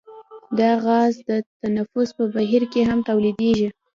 دا غاز د تنفس په بهیر کې هم تولیدیږي.